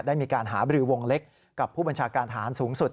ได้มีการหาบรือวงเล็กกับผู้บัญชาการฐานสูงสุด